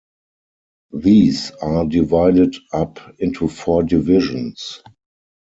These are divided up into four divisions.